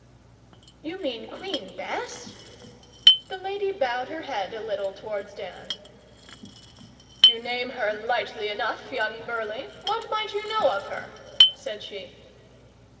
'You mean Queen Bess?' The lady bowed her head a little towards Dan. 'You name her lightly enough, young Burleigh. What might you know of her?' said she.